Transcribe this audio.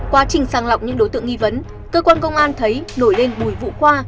quá trình sàng lọc những đối tượng nghi vấn cơ quan công an thấy nổi lên mùi vụ qua